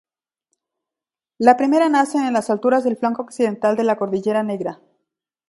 La primera nace en las alturas del flanco occidental de la Cordillera Negra.